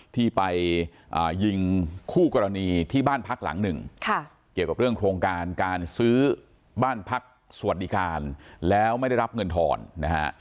ที่ไปยิงคู่กรณีที่บ้านพักหลังหนึ่งเกี่ยวกับเรื่องโครงการการซื้อบ้านพักสวัสดิการแล้วไม่ได้รับเงินทอนนะฮะ